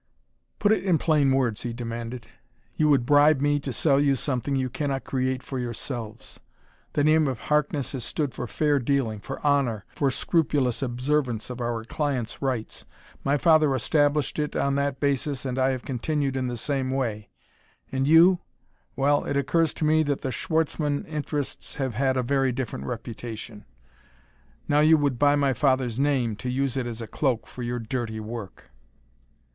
"Put it in plain words," he demanded. "You would bribe me to sell you something you cannot create for yourselves. The name of Harkness has stood for fair dealing, for honor, for scrupulous observance of our clients' rights. My father established it on that basis and I have continued in the same way. And you? well, it occurs to me that the Schwartzmann interests have had a different reputation. Now you would buy my father's name to use it as a cloak for your dirty work!"